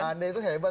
ya itu ya hebat